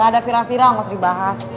gak ada viral viral yang harus dibahas